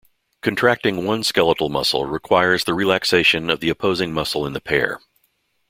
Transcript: Contracting one skeletal muscle requires the relaxation of the opposing muscle in the pair.